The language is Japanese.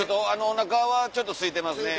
お腹はちょっとすいてますね。